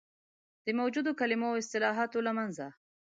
د موجودو کلمو او اصطلاحاتو له منځه.